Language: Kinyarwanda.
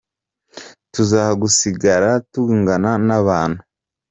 Tuza gusigara tungana n’abantu.